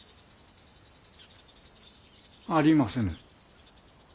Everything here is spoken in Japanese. ありませぬ。